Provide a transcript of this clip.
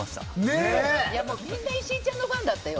みんな石井ちゃんのファンだったよ。